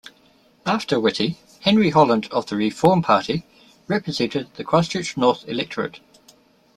After Witty, Henry Holland of the Reform Party represented the Christchurch North electorate.